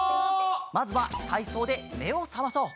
まずはたいそうでめをさまそう。